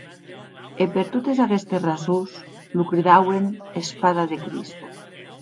E per totes aguestes rasons lo cridauen Espada de Crist.